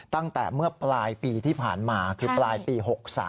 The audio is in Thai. ตั้งแต่เมื่อปลายปีที่ผ่านมาคือปลายปี๖๓